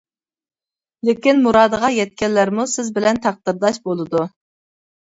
لېكىن، مۇرادىغا يەتكەنلەرمۇ سىز بىلەن تەقدىرداش بولىدۇ.